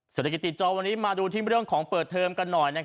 เศรษฐกิจติดจอวันนี้มาดูที่เรื่องของเปิดเทอมกันหน่อย